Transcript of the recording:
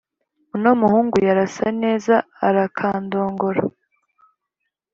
Uno muhungu yarasa neza arakandongora.